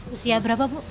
usia berapa bu